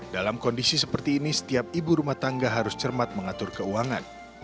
dalam kondisi seperti ini setiap ibu rumah tangga harus cermat mengatur keuangan